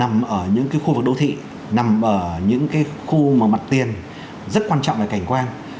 nằm ở những khu vực đô thị nằm ở những khu mặt tiền rất quan trọng là cảnh quan